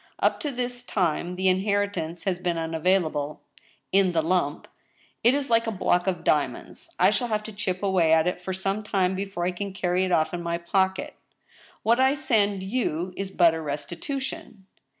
Up to this time the inheritance has been unavailable — in the lump. It is like a block of diamonds : I shall have to chip away at it for some time before I can carry it off in my pocket. What I send you is but a restitution.